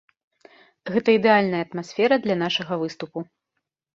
Гэта ідэальная атмасфера для нашага выступу.